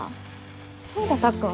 そうだたっくん